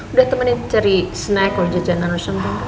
udah temenin cari snack atau jajanan atau sesuatu